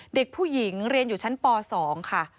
เด็กผู้หญิงเรียนอยู่ชั้นป๒ค่ะ